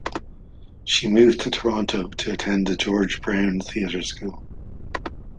She moved to Toronto to attend the George Brown Theatre School.